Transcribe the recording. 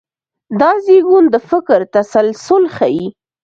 دا زېږون د فکر تسلسل ښيي.